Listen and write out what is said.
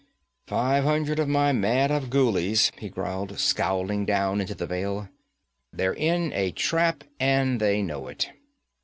'Five hundred of my mad Afghulis,' he growled, scowling down into the vale. 'They're in a trap, and they know it.'